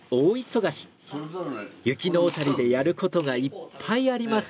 雪の小谷でやる事がいっぱいあります。